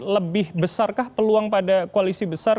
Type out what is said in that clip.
lebih besarkah peluang pada koalisi besar